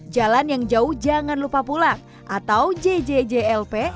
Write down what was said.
jalan yang jauh jangan lupa pulang atau jjjlp